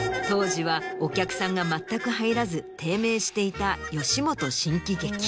当時はお客さんが全く入らず低迷していた吉本新喜劇。